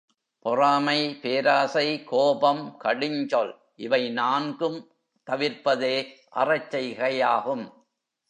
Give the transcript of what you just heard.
பொறாமை, பேராசை, கோபம், கடுஞ்சொல் இவை நான்கும் தவிர்ப்பதே அறச்செய்கையாகும்.